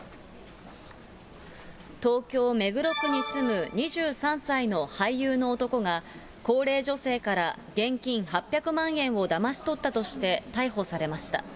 東京・目黒区に住む２３歳の俳優の男が、高齢女性から現金８００万円をだまし取ったとして、逮捕されました。